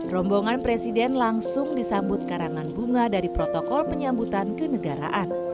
rombongan presiden langsung disambut karangan bunga dari protokol penyambutan kenegaraan